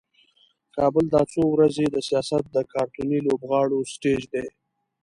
کابل دا څو ورځې د سیاست د کارتوني لوبغاړو سټیج دی.